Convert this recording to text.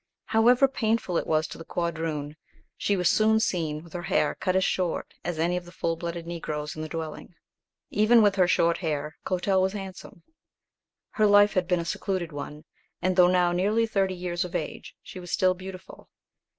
However painful it was to the quadroon, she was soon seen with her hair cut as short as any of the full blooded Negroes in the dwelling. Even with her short hair, Clotel was handsome. Her life had been a secluded one, and though now nearly thirty years of age, she was still beautiful.